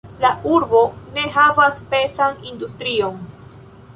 La urbo ne havas pezan industrion.